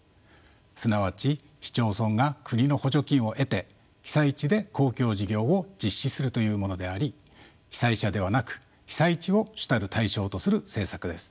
すなわち市町村が国の補助金を得て被災地で公共事業を実施するというものであり被災者ではなく被災地を主たる対象とする政策です。